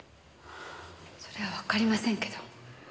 それはわかりませんけど。